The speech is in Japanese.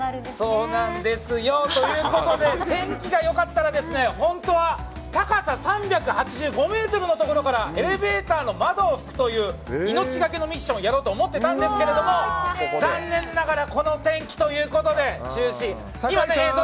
そうなんですＹＯ！ということで天気が良かったら本当は高さ３８５ｍのところからエレベーターの窓を拭くという命がけのミッションをやろうと思ってたんですけども残念ながらこの天気ということで中止。